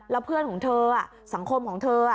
แล้วเพื่อนของเธอสังคมของเธอ